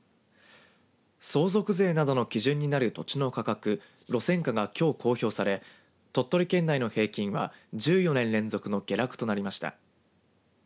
相続税などの基準になる土地の価格路線価がきょう公表され鳥取県内の平均は１４年連続の下落となりました。